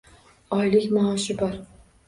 Oylik maoshi bor